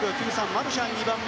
マルシャンが２番目。